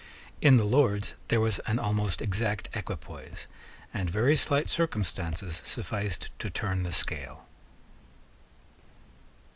In the Lords there was an almost exact equipoise; and very slight circumstances sufficed to turn the scale.